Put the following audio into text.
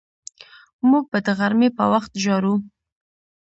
موږ به د غرمې په وخت ژاړو